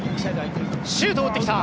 シュートを打ってきた。